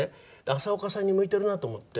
浅丘さんに向いてるなと思って。